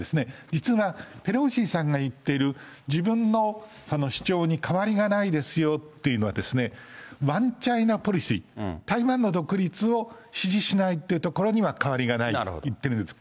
実はペロシさんが言っている、自分の主張に変わりがないですよというのは、ワンチャイナポリシー、台湾の独立を支持しないというところには変わりがないと言っているんです。